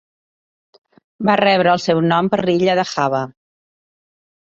Va rebre el seu nom per l'illa de Java.